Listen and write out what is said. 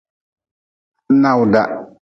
Nawda.